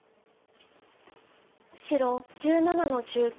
白１７の十九。